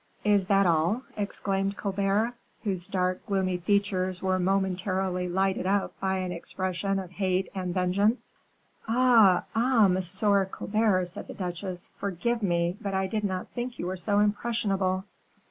"Is that all?" exclaimed Colbert, whose dark, gloomy features were momentarily lighted up by an expression of hate and vengeance. "Ah! ah! Monsieur Colbert," said the duchesse, "forgive me, but I did not think you were so impressionable.